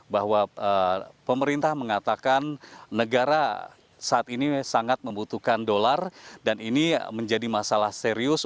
bahwa pemerintah mengatakan negara saat ini sangat membutuhkan dolar dan ini menjadi masalah serius